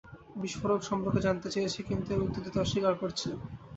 বিস্ফোরক সম্পর্কে জানতে চেয়েছি, কিন্তু ওরা উত্তর দিতে অস্বীকার করছে।